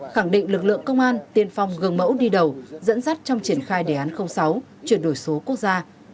khẳng định lực lượng công an tiên phong gần mẫu đi đầu dẫn dắt trong triển khai đề án sáu chuyển đổi số quốc gia